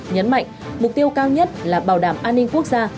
nhấn mạnh mục tiêu cao nhất là bảo đảm an ninh quốc gia